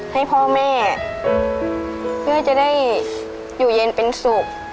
ให้เรียนเป็นสุข